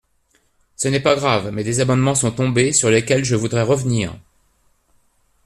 Ce n’est pas grave, mais des amendements sont tombés, sur lesquels je voudrais revenir.